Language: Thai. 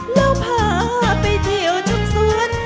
แล้วพาไปเที่ยวทุกสวน